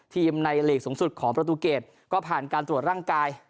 ในหลีกสูงสุดของประตูเกรดก็ผ่านการตรวจร่างกาย